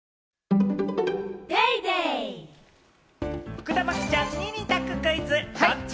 福田麻貴ちゃんに二択クイズ、ドッチ？